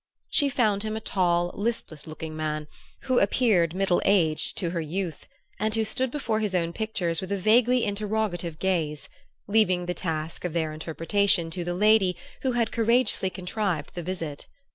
She found him a tall listless looking man, who appeared middle aged to her youth, and who stood before his own pictures with a vaguely interrogative gaze, leaving the task of their interpretation to the lady who had courageously contrived the visit.